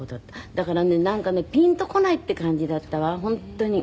だからねなんかねピンとこないっていう感じだったわ本当に。